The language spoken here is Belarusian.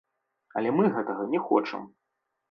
Але мы гэтага не хочам.